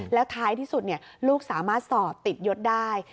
แล้วท้ายที่สุดลูกสามารถสอบติดยศได้